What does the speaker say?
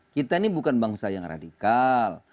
kita ini bukan bangsa yang radikal